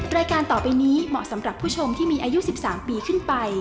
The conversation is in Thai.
รายการต่อไปนี้เหมาะสำหรับผู้ชมที่มีอายุ๑๓ปีขึ้นไป